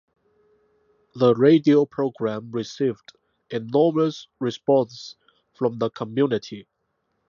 The radio programme received enormous response from the community.